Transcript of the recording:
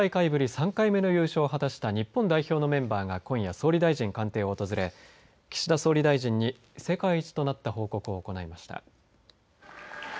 ３回目の優勝を果たした日本代表のメンバーが今夜、総理大臣官邸を訪れ、岸田総理大臣に世界一となった報告を行いました。